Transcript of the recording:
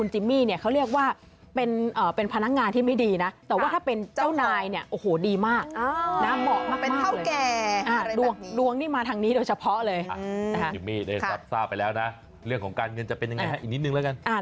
โดยเฉพาะเลยทราบไปแล้วนะเรื่องของการเงินจะเป็นยังไงฮะอีกนิดนึงแล้วกัน